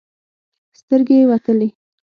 سترګې يې وتلې.